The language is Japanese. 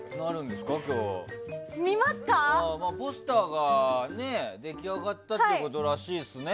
ポスターが出来上がったっていうことらしいですね。